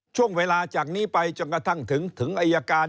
ช่วงเวลาจากนี้ไปจนกระทั่งถึงอายการ